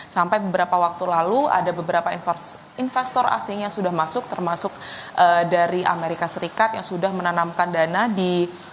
sampai beberapa waktu lalu ada beberapa investor asing yang sudah masuk termasuk dari amerika serikat yang sudah menanamkan dana di